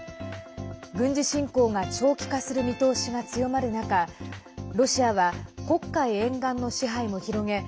軍事侵攻が長期化する見通しが強まる中ロシアは黒海沿岸の支配も広げ